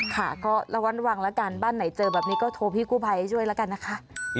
ค่ะก็ระวังแล้วกันบ้านไหนเจอแบบนี้ก็โทรพี่กู้ภัยให้ช่วยแล้วกันนะคะ